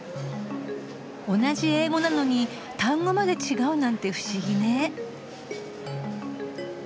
同じ英語なのに単語まで違うなんて不思議ね。